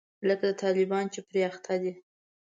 لکه طالبان چې پرې اخته دي.